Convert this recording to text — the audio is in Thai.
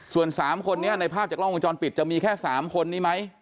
ส่วน๓คนนี้ในภาพจากล้องวงจรปิดจะมีแค่๓คนนี้ไหม